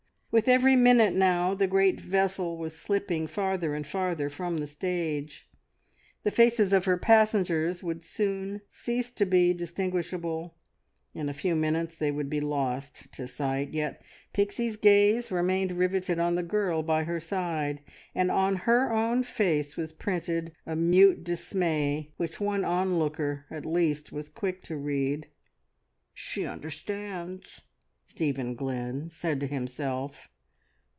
With every minute now the great vessel was slipping farther and farther from the stage; the faces of her passengers would soon cease to be distinguishable; in a few minutes they would be lost to sight, yet Pixie's gaze remained riveted on the girl by her side, and on her own face was printed a mute dismay which one onlooker at least was quick to read. "She understands!" Stephen Glynn said to himself.